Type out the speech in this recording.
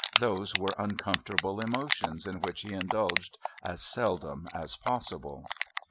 Those were uncomfortable emotions in which he indulged as seldom as possible.